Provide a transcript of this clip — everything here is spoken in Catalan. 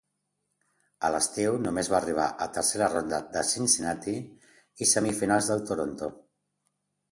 A l'estiu només va arribar a tercera ronda de Cincinnati i semifinals del Toronto.